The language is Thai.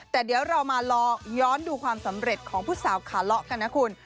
แต่เดี๋ยวเรามารอย้อนดูความสำเร็จของผู้สาวขาเลาะกันนะคุณ